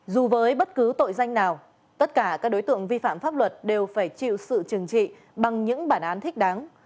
dù với bất cứ tội danh nào tất cả các đối tượng vi phạm pháp luật đều phải chịu sự trừng trị bằng những bản án thích đáng